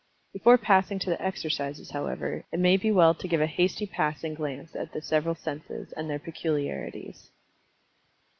Before passing to the exercises, however, it may be well to give a hasty passing glance at the several senses, and their peculiarities.